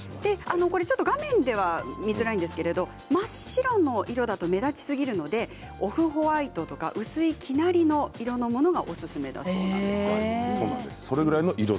画面では見づらいんですけれど真っ白の色だと目立ちすぎるのでオフホワイトとか少し色のついた生成りのものがおすすめだということです。